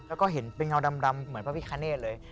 แล้วก็เห็นเป็นเงาดำเหมือนพระพิคเนธเลย